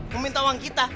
meminta uang kita